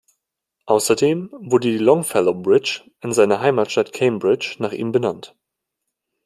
Außerdem wurde die Longfellow Bridge in seiner Heimatstadt Cambridge nach ihm benannt.